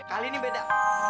kali ini beda